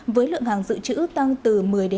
với lượng hàng dự trữ tăng từ một mươi hai mươi năm